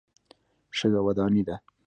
شګه وداني ده.